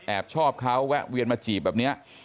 ชอบเขาแวะเวียนมาจีบแบบนี้